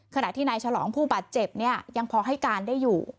ขณะที่นายฉลองผู้บาดเจ็บเนี่ยยังพอให้การได้อยู่